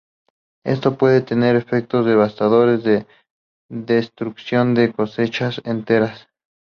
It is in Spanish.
Esto puede tener efectos devastadores de destrucción de cosechas enteras.